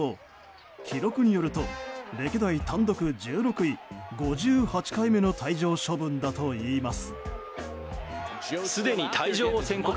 記録によると歴代単独１６位５８回目の退場処分だといいます。